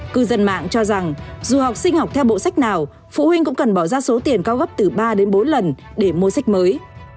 cư dân mạng cho rằng dù học sinh học theo bộ sách nào phụ huynh cũng cần bỏ ra số tiền cao gấp từ ba đến bốn lần để mua sách mới